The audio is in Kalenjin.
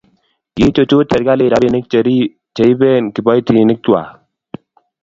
kiichuchuch serikalit robinik che iben kiboitinik kwach